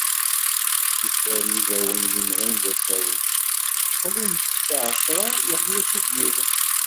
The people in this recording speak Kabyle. Iferr n yibawen yemɣin d asawen, xlum-tt a ɛecra yeḥya-tt-id yiwen